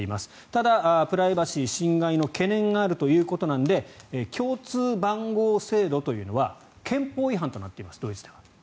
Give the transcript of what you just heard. ただ、プライバシー侵害の懸念があるということなので共通番号制度というのは憲法違反となっていますドイツでは。